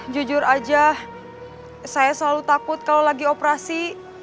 jujur aja saya selalu takut kalau lagi operasi